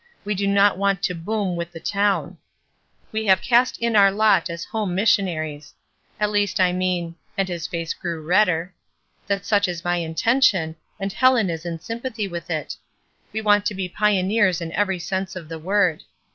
We do not want to boom with the town. We have cast in our lot as home mis sionaries. At least, I mean—" and his face grew redder, " that such is my intention, and Helen is in sympathy with it. We want to be pioneers in every sense of the word.